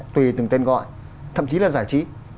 tùy từng tên gọi thậm chí là giải trí